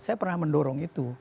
saya pernah mendorong itu